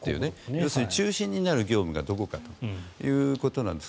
要するに中心になる業務がどこかということなんです。